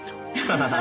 ハハハハ。